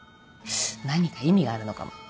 何か意味があるのかも。